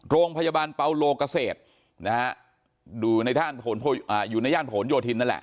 โรงพยาบาลเปาโลกเกษตรนะฮะดูในท่านอ่าอยู่ในย่านพหนโยธินนั่นแหละ